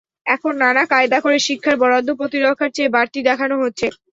এখন নানা কায়দা করে শিক্ষার বরাদ্দ প্রতিরক্ষার চেয়ে বাড়তি দেখানো হচ্ছে।